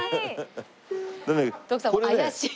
徳さん怪しい。